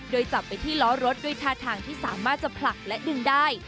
โดยจับไปที่ล้อรถด้วยท่าทางที่สามารถจะผลักและดึงได้